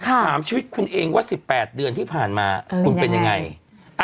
ค่ะถามชีวิตคุณเองว่าสิบแปดเดือนที่ผ่านมาคุณเป็นอย่างได้อันนั้น